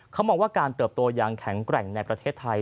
เขามองว่าการเติบโตยังแข็งแกร่งในประเทศไทย